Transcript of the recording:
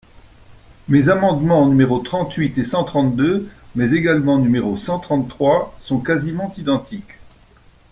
Mes amendements numéros trente-huit et cent trente-deux mais également numéro cent trente-trois sont quasiment identiques.